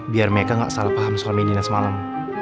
biar mika gak salah paham soal medina semalam